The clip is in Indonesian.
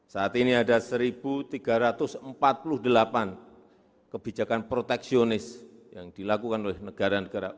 saat ini ada satu tiga ratus empat puluh delapan kebijakan proteksionis yang dilakukan oleh negara negara